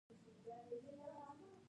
د کرنې ریاست ټلیفون نمبر لرئ؟